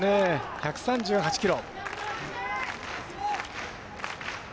１３８キロ。